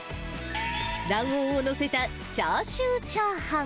卵黄を載せたチャーシューチャーハン。